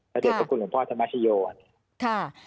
ประเทศสกุลหลวงพ่อธรรมชะโยค่ะ